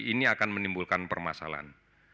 ini akan menimbulkan permasalahan